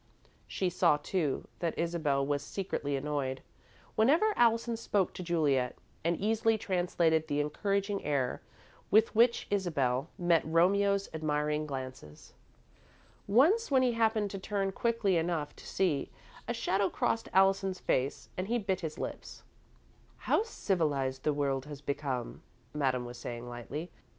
She saw, too, that Isabel was secretly annoyed whenever Allison spoke to Juliet, and easily translated the encouraging air with which Isabel met Romeo's admiring glances. Once, when he happened to turn quickly enough to see, a shadow crossed Allison's face, and he bit his lips. "How civilised the world has become," Madame was saying, lightly.